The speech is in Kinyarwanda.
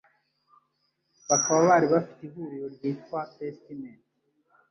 bakaba bari bafite ihuriro ryitwaga Testament